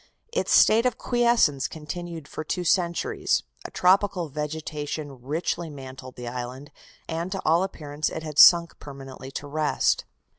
Its state of quiescence continued for two centuries, a tropical vegetation richly mantled the island, and to all appearance it had sunk permanently to rest.